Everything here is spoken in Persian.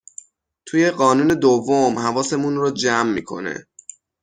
توی قانون دوم، حواسمون رو جمع میکنه